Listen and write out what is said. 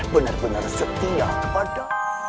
benar benar setia kepada